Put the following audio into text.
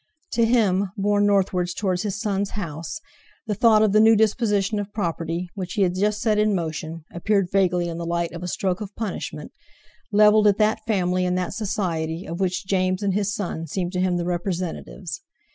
To him, borne northwards towards his son's house, the thought of the new disposition of property, which he had just set in motion, appeared vaguely in the light of a stroke of punishment, levelled at that family and that Society, of which James and his son seemed to him the representatives.